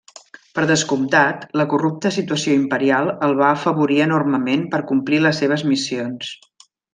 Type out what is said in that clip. Per descomptat, la corrupta situació imperial el va afavorir enormement per complir les seves missions.